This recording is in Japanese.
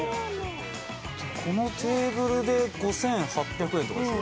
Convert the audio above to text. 「このテーブルで５８００円とかです」